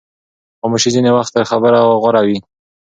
خاموشي ځینې وخت تر خبرو غوره وي.